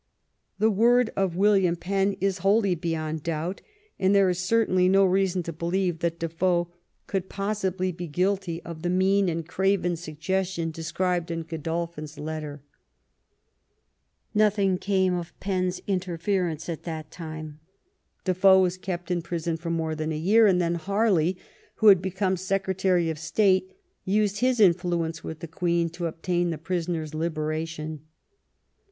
The word of William Penn is wholly beyond doubt, and there is certainly no reason to believe that Defoe could possibly be guilty 78 DISSENT AND DEFOE of the mean and craven suggestion described in Godol phin's letter. Nothing came of Penn's interference at that time. Defoe was kept in prison for more than a year, and then Harley, who had become Secretary of State, used his influence with the Queen to obtain the prisoner's liberation.